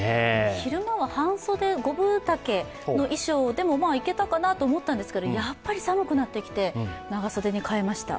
昼間は半袖、五分丈の衣装でもいけたかなと思ったんですが、やっぱり寒くなってきて長袖に変えました。